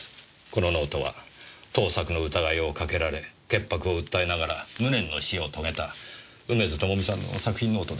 このノートは盗作の疑いをかけられ潔白を訴えながら無念の死を遂げた梅津朋美さんの作品ノートです。